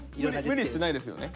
無理してないですよね？